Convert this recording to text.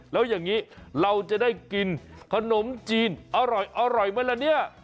แล้วอย่างนี้เราจะได้กินขนมจีนอร่อยไหมล่ะเนี่ย